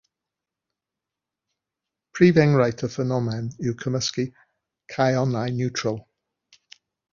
Prif enghraifft o'r ffenomen yw cymysgu caonau niwtral.